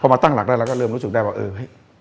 พอมาตั้งหลักเริ่มรู้สึกได้บ่วน